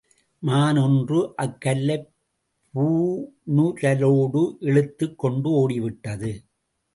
மான் ஒன்று அக்கல்லைப் பூணுரலோடு இழுத்துக் கொண்டு ஒடிவிட்டது.